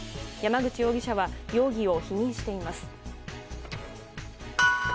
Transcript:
山口容疑者は容疑を否認しています。